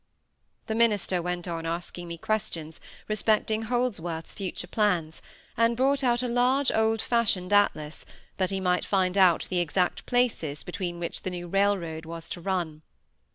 The minister went on asking me questions respecting Holdsworth's future plans; and brought out a large old fashioned atlas, that he might find out the exact places between which the new railroad was to run.